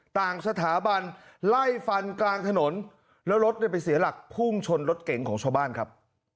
ต่างสถาบันไล่ฟันกลางถนนแล้วรถเนี่ยไปเสียหลักพุ่งชนรถเก๋งของชาวบ้านครับ